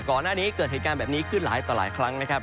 ก่อนหน้านี้เกิดเหตุการณ์แบบนี้ขึ้นหลายต่อหลายครั้งนะครับ